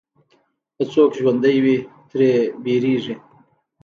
که څوک ژوندی وي، ترې وېرېږي.